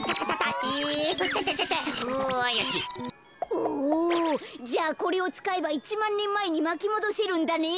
おじゃあこれをつかえば１まんねんまえにまきもどせるんだね。